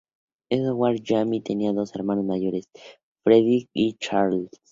Edward Bellamy tenía dos hermanos mayores, Frederick y Charles.